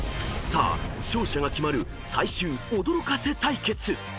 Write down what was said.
［さあ勝者が決まる最終驚かせ対決］